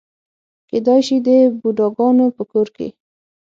کېدای شي د بوډاګانو په کور کې.